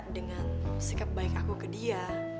dengan sikap baik aku ke dia